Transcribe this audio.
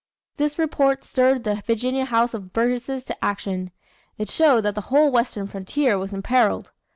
This report stirred the Virginia House of Burgesses to action. It showed that the whole western frontier was imperilled.